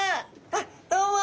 あっどうも。